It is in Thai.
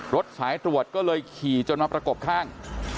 รถสายตรวจก็เลยขี่จนมาประกบข้าง